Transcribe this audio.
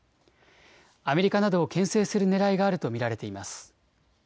アメリカなどをけん制するねらいがあると見られています。